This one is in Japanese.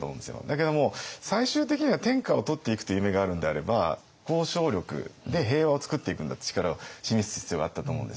だけども最終的には天下を取っていくという夢があるんであれば交渉力で平和をつくっていくんだって力を示す必要があったと思うんですよね。